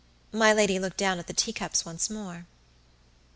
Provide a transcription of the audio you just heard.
My lady looked down at the teacups once more.